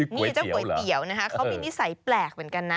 นี่เจ้าก๋วยเตี๋ยวนะคะเขามีนิสัยแปลกเหมือนกันนะ